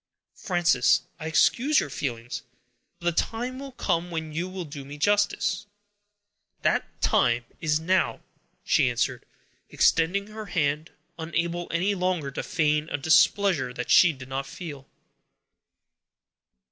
"Frances, I excuse your feelings; but the time will come when you will do me justice." "That time is now," she answered, extending her hand, unable any longer to feign a displeasure that she did not feel.